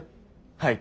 はい。